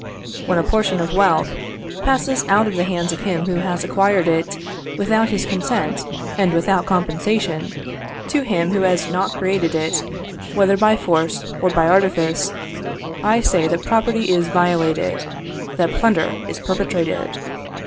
When a portion of wealth passes out of the hands of him who has acquired it, without his consent, and without compensation, to him who has not created it, whether by force or by artifice, I say that property is violated, that plunder is perpetrated.